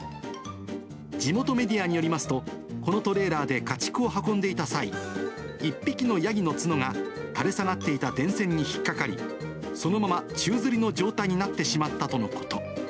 地元メディアによりますと、このトレーラーで家畜を運んでいた際、１匹のヤギの角が垂れ下がっていた電線に引っ掛かり、そのまま、宙づりの状態になってしまったとのこと。